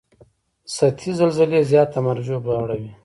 سطحي زلزلې زیاته مرګ ژوبله اړوي